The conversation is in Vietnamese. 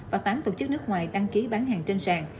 và tám tổ chức nước ngoài đăng ký bán hàng trên sàn